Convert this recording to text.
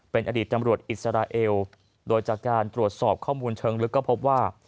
เป็นอดีตตำรวจอิสราเอลโดยจากการตรวจสอบข้อมูลเชิงลึกก็พบว่า